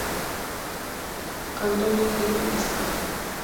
Anthony High School.